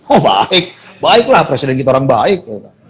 oh baik baiklah presiden kita orang baik